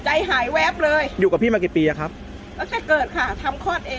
ใจหายแวบเลยอยู่กับพี่มากี่ปีอะครับแล้วถ้าเกิดค่ะทำคลอดเอง